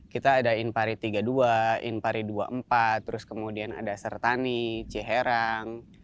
kita ada inpari tiga puluh dua inpari dua puluh empat terus kemudian ada sertani ciherang